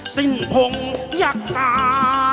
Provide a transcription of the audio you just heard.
สิ้นพงฆ์ยักษา